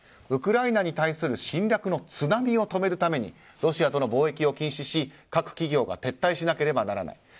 ウクライナに対する侵略の津波を止めるためにロシアとの貿易を禁止し各企業が撤退しなければならない。